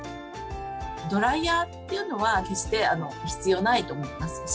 ドライヤーというのは決して必要ないと思います。